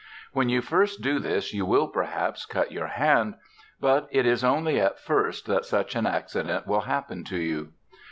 When you first do this you will, perhaps, cut your hand; but it is only at first that such an accident will happen to you.